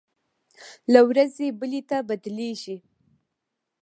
له ورځې بلې ته بدلېږي.